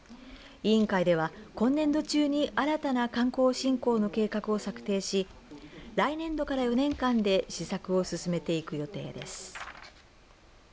委員会では今年度中に新たな観光振興の計画を策定し来年度から４年間で施策を進めていく予定です。